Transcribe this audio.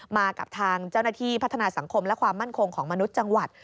มากับทางเจ้าหน้าที่พัฒนาสังคมและความมั่นคงของมนุษย์จังหวัด